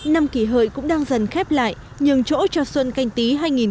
năm kỳ hời cũng đang dần khép lại nhường chỗ cho xuân canh tí hai nghìn hai mươi